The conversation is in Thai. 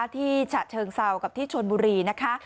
ฉะเชิงเซากับที่ชนบุรีนะคะ